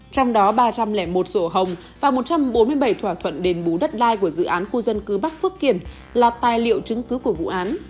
trong đó ba trăm linh một sổ hồng và một trăm bốn mươi bảy thỏa thuận đền bú đất đai của dự án khu dân cư bắc phước kiển là tài liệu chứng cứ của vụ án